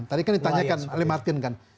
tadi kan ditanyakan oleh martin kan